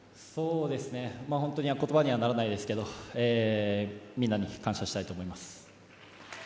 本当に言葉にはならないですけれどみんなに感謝したいと思います。